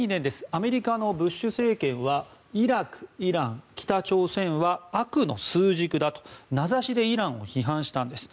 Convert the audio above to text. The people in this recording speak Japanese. アメリカのブッシュ政権はイラク、イラン、北朝鮮は悪の枢軸だと名指しでイランを批判したんです。